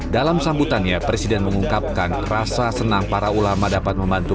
dalam sambutannya presiden mengungkapkan rasa senang para ulama dapat membantu